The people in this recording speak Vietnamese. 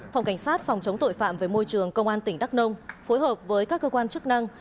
phòng cảnh sát phòng chống tội phạm về môi trường công an tỉnh đắk nông phối hợp với các cơ quan chức năng